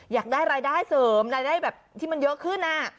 อยากได้รายได้เสริมรายได้แบบที่มันเยอะขึ้น